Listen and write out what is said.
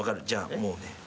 じゃあもうね。